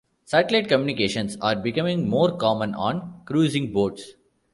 Satellite communications are becoming more common on cruising boats.